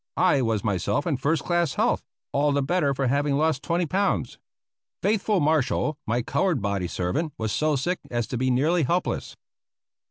I was myself in first class health, all the better for having lost twenty pounds. Faithful Marshall, my colored body servant, was so sick as to be nearly helpless.